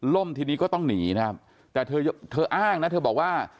ทีนี้ก็ต้องหนีนะครับแต่เธอเธออ้างนะเธอบอกว่า